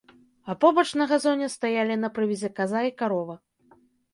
А побач, на газоне, стаялі на прывязі каза і карова.